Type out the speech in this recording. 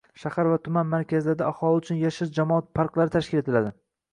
Shaharlar va tuman markazlarida aholi uchun “yashil jamoat parklari” tashkil etiladi.